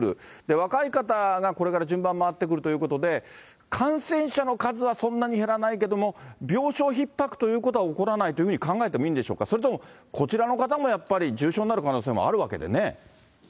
若い方がこれから順番回ってくるということで、感染者の数はそんなに減らないけども、病床ひっ迫ということは、起こらないというふうに考えていいんでしょうか、それともこちらの方もやっぱり重症になる可能性もあるわけでね。